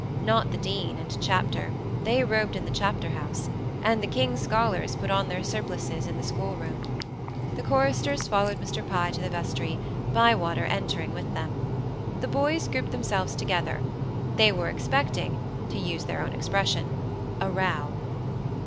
Not the dean and chapter; they robed in the chapter house: and the king's scholars put on their surplices in the schoolroom. The choristers followed Mr. Pye to the vestry, Bywater entering with them. The boys grouped themselves together: they were expecting to use their own expression a row.